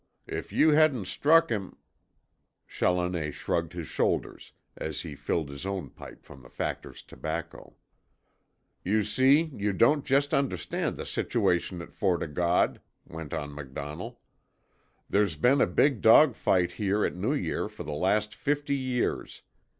If you hadn't struck him " Challoner shrugged his shoulders as he filled his own pipe from the Factor's tobacco. "You see you don't just understand the situation at Fort 0' God," went on MacDonnell. "There's been a big dog fight here at New Year for the last fifty years.